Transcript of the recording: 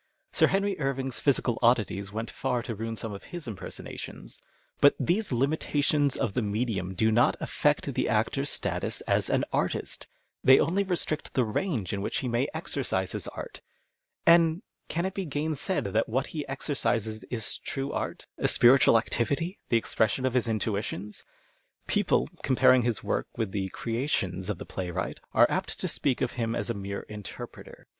Sir Henry Irving's physical oddities went far to ruin some of his impersonations. But these limitations of the medium do not affect the actor's status as an artist. They only restrict the range in which he may exercise his art. And can it be gainsaid that what he exercises is true art, a spiritual activity, the expression of his intuitions ? People, comparing his work with the " creations " of the playwright, arc apt to speak of him as a mere " interpreter."